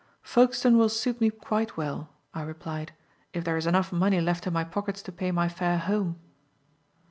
"Folkestone will suit me quite well," I replied, "if there is enough money left in my pockets to pay my fare home."